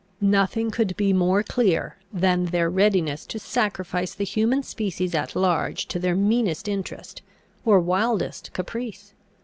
Nothing could be more clear, than their readiness to sacrifice the human species at large to their meanest interest, or wildest caprice.